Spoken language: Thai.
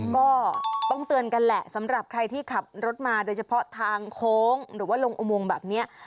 ก็ต้องเตือนกันแหละสำหรับใครที่ขับรถมาโดยเฉพาะทางโค้งหรือว่าลงอุโมงแบบนี้